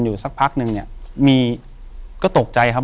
อยู่ที่แม่ศรีวิรัยิลครับ